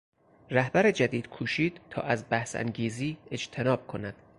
رهبر جدید کوشید تا از بحث انگیزی اجتناب کند.